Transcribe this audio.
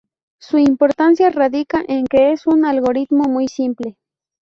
Su importancia radica en que es un algoritmo muy simple.